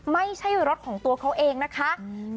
ไม่ใช่รถของตัวเขาเองนะคะ